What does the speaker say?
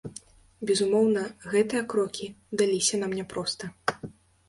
Безумоўна, гэтыя крокі даліся нам няпроста.